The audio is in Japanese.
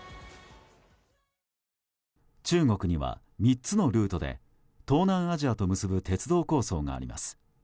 中国には３つのルートで東南アジアと結ぶ鉄道構想があります。